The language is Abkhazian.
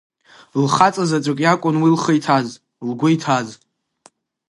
Лхаҵазаҵәык иакәын уи лхы иҭаз, лгәы иҭаз.